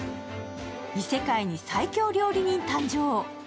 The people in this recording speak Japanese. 異世界に最強料理人誕生。